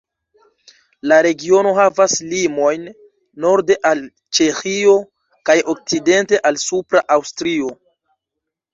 La regiono havas limojn norde al Ĉeĥio, kaj okcidente al Supra Aŭstrio.